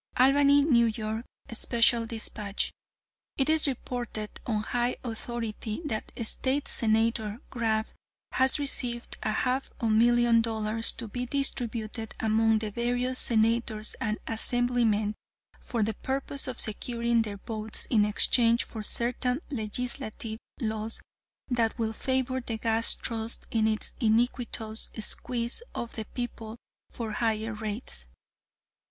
"Albany, N. Y., Special Despatch: It is reported on high authority that State Senator Grab has received a half million dollars, to be distributed among the various senators and assemblymen, for the purpose of securing their votes in exchange for certain legislative laws that will favor the Gas Trust in its iniquitous squeeze of the people for higher rates.